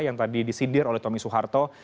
yang tadi disindir oleh tommy soeharto